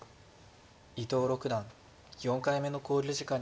伊藤六段４回目の考慮時間に。